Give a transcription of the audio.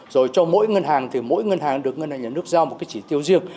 rồi cho mỗi ngân hàng thì mỗi ngân hàng được ngân hàng nhà nước giao một cái chỉ tiêu riêng